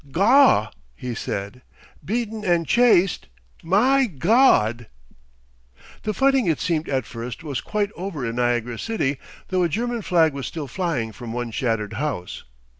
"Gaw!" he said. "Beaten and chased! My Gawd!" The fighting, it seemed at first, was quite over in Niagara city, though a German flag was still flying from one shattered house.